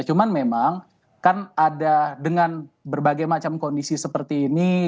cuman memang kan ada dengan berbagai macam kondisi seperti ini